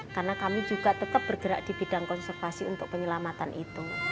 karena kami juga tetap bergerak di bidang konservasi untuk penyelamatan itu